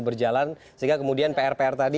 berjalan sehingga kemudian pr pr tadi